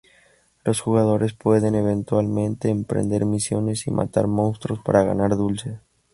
Los jugadores pueden eventualmente emprender misiones y matar monstruos para ganar dulces.